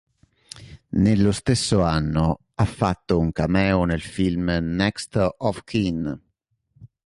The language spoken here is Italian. Nello stesso anno, ha fatto un cameo nel film "Next of Kin".